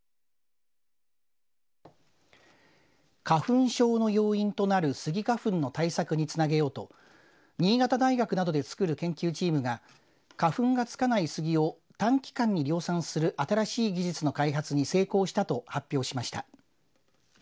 花粉症の要因となるスギ花粉の対策につなげようと新潟大学などで作る研究チームが花粉がつかないスギを短期間に量産する新しい技術の開発に成功したと発表しました。